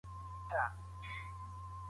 مېرمن بايد کوم شرعي حدود په کار کي مراعات کړي؟